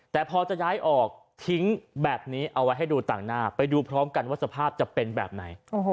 แต่พอจะย้ายออกทิ้งแบบนี้เอาไว้ให้ดูต่างหน้าไปดูพร้อมกันว่าสภาพจะเป็นแบบไหน